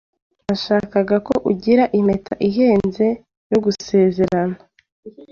Ntashaka ko agura impeta ihenze yo gusezerana.